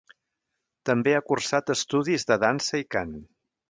També ha cursat estudis de dansa i cant.